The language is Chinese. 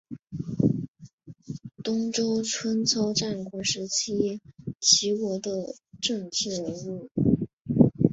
东周春秋战国时期齐国的政治人物。